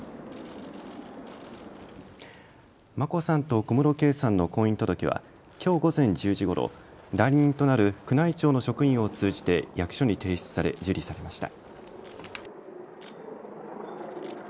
眞子さんと小室圭さんの婚姻届はきょう午前１０時ごろ、代理人となる宮内庁の職員を通じて役所に提出され受理されました。